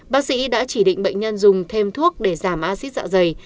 bác sĩ đã chỉ định bệnh nhân dùng thêm thuốc để giảm acid dạ dày